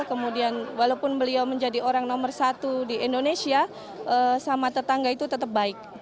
kemudian walaupun beliau menjadi orang nomor satu di indonesia sama tetangga itu tetap baik